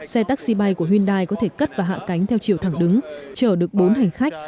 xe taxi bay của hyundai có thể cất và hạ cánh theo chiều thẳng đứng chở được bốn hành khách